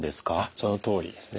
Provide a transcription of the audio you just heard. そのとおりですね。